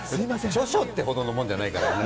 著書っていうほどのものじゃないから。